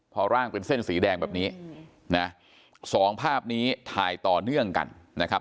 พอร่างเป็นเส้นสีแดงแบบนี้นะสองภาพนี้ถ่ายต่อเนื่องกันนะครับ